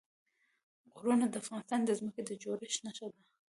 غرونه د افغانستان د ځمکې د جوړښت نښه ده.